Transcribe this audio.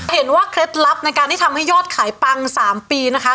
เคล็ดลับในการที่ทำให้ยอดขายปัง๓ปีนะคะ